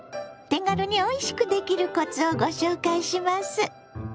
手軽においしくできるコツをご紹介します。